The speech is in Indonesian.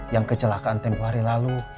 yang kecelakaan tempoh hari lalu